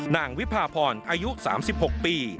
วิพาพรอายุ๓๖ปี